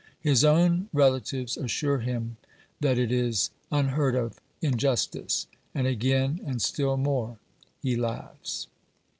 His own relatives assure him that it is unheard of injustice, and again, and still more, he laughs.